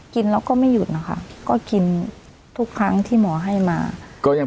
กินแล้วก็ไม่หยุดนะคะก็กินทุกครั้งที่หมอให้มาก็ยัง